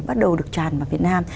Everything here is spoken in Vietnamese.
bắt đầu được tràn vào việt nam